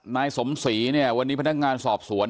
นายสมศรีเนี่ยวันนี้พนักงานสอบสวน